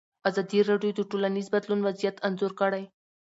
ازادي راډیو د ټولنیز بدلون وضعیت انځور کړی.